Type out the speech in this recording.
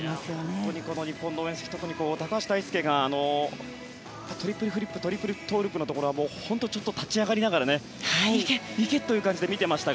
本当に日本の応援席特に高橋大輔がトリプルフリップトリプルトウループのところは本当に立ち上がりながらいけという感じで見ていました。